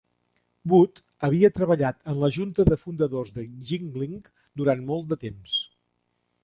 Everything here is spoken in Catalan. Wood havia treballat en la junta de fundadors de Ginling durant molt de temps.